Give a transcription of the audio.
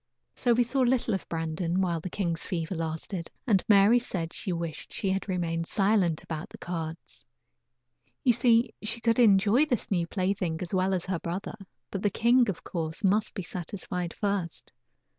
So we saw little of Brandon while the king's fever lasted, and Mary said she wished she had remained silent about the cards. You see, she could enjoy this new plaything as well as her brother; but the king, of course, must be satisfied first.